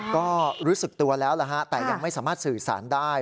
ก็รู้สึกตัวแล้วฮะแต่ยังไม่สามารถสื่อสารได้